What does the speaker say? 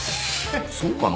そうかな？